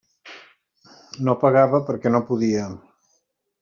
No pagava perquè no podia.